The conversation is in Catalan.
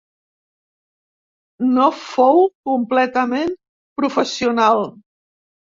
No fou completament professional.